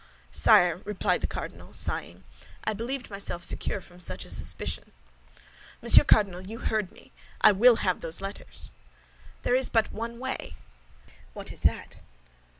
"Sire," replied the cardinal, sighing, "I believed myself secure from such a suspicion." "Monsieur Cardinal, you have heard me; I will have those letters." "There is but one way." "What is that?"